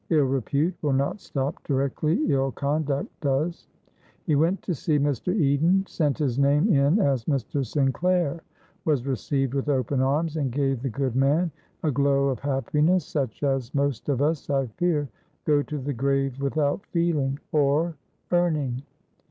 Ill repute will not stop directly ill conduct does. He went to see Mr. Eden, sent his name in as Mr. Sinclair, was received with open arms, and gave the good man a glow of happiness such as most of us, I fear, go to the grave without feeling or earning.